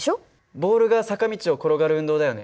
ボールが坂道を転がる運動だよね。